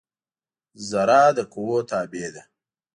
ذره د قوؤ تابع ده.